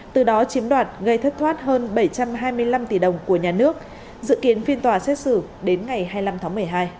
từ đó chiếm đoạt gây thất thoát hơn bảy trăm hai mươi năm tỷ đồng của nhà nước dự kiến phiên tòa xét xử đến ngày hai mươi năm tháng một mươi hai